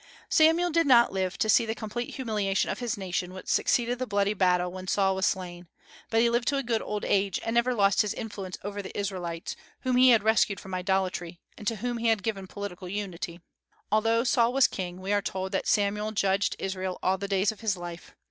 Samuel did not live to see the complete humiliation of his nation which succeeded the bloody battle when Saul was slain; but he lived to a good old age, and never lost his influence over the Israelites, whom he had rescued from idolatry and to whom he had given political unity. Although Saul was king, we are told that Samuel judged Israel all the days of his life.